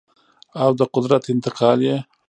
او د قدرت انتقال یې